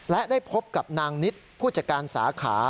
และได้พบกับนางนิดผู้จัดการสาขา